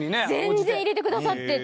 全然入れてくださって。